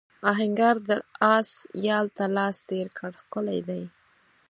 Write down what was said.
آهنګر د آس یال ته لاس تېر کړ ښکلی دی.